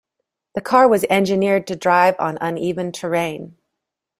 The car was engineered to drive on uneven terrain.